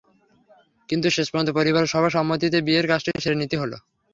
কিন্তু শেষ পর্যন্ত পরিবারের সবার সম্মতিতে বিয়ের কাজটি সেরে নিতে হলো।